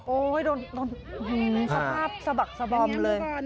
โดนสภาพสะบักสะบอมเลย